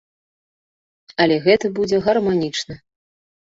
Але гэта будзе гарманічна.